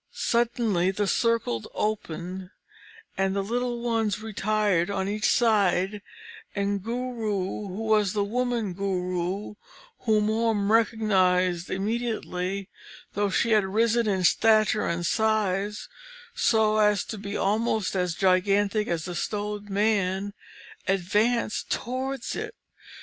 Suddenly, the circle opened; the little ones retired on each side, and Guru who was the woman Guru, whom Orm recognised immediately, though she had risen in stature and size so as to be almost as gigantic as the stone man advanced towards it.